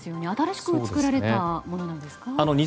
新しく作られたものなんですか？